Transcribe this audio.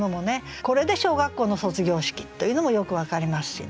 これで小学校の卒業式というのもよく分かりますしね。